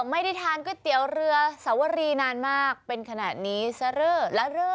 ไม่ได้ทานก๋วยเตี๋ยวเรือสวรีนานมากเป็นขนาดนี้เสรอละเรอ